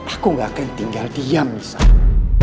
aku gak akan tinggal diam nih sama kamu